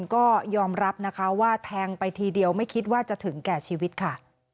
ก็ยอมรับนะคะว่าแทงไปทีเดียวไม่คิดว่าจะถึงแก่ชีวิตค่ะ